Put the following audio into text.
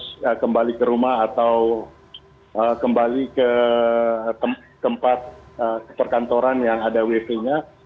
harus kembali ke rumah atau kembali ke tempat perkantoran yang ada wt nya